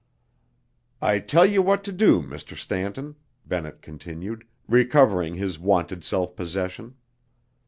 "I tell you what to do, Mr. Stanton," Bennett continued, recovering his wonted self possession.